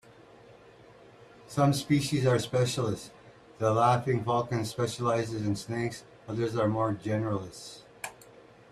Some species are specialists, the laughing falcon specialises in snakes, others are more generalist.